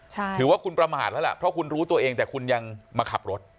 ถือว่าคุณประมาทแล้วล่ะเพราะคุณรู้ตัวเองแต่คุณยังมาขับรถ